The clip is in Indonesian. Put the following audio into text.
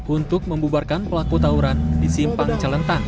untuk membubarkan pelaku tauran di simpang celentang